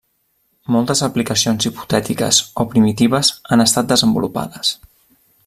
Moltes aplicacions hipotètiques o primitives han estat desenvolupades.